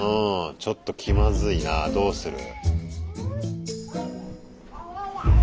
ちょっと気まずいなあどうする？